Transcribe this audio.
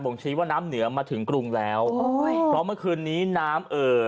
ชี้ว่าน้ำเหนือมาถึงกรุงแล้วโอ้ยเพราะเมื่อคืนนี้น้ำเอ่อ